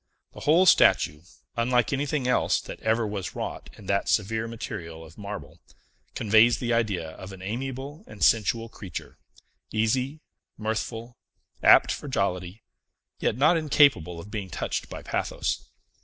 The whole statue unlike anything else that ever was wrought in that severe material of marble conveys the idea of an amiable and sensual creature, easy, mirthful, apt for jollity, yet not incapable of being touched by pathos.